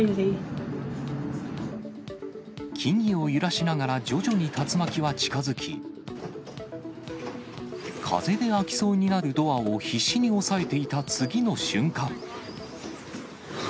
木々を揺らしながら徐々に竜巻は近づき、風で開きそうになるドアを必死に押さえていた次の瞬間。